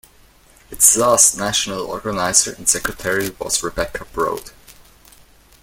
Its last national organiser and secretary was Rebecca Broad.